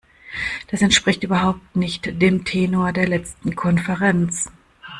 Das entspricht überhaupt nicht dem Tenor der letzten Konferenz.